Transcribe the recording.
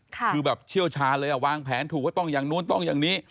คือแบบเชี่ยวชาญเลยวางแผนถูกว่าต้องอย่างนู้นต้องอย่างนี้